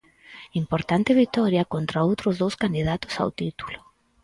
Importante vitoria contra outro dos candidatos ao título.